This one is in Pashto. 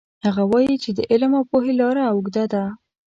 هغه وایي چې د علم او پوهې لار اوږده ده